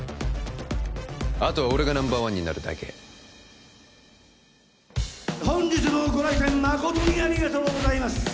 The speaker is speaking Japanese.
あとは俺がナンバーワンになるだけ本日もご来店誠にありがとうございます